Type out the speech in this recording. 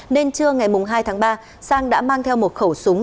nên trưa ngày hai tháng ba sang đã mang theo một khẩu súng